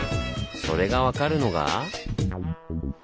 それが分かるのが。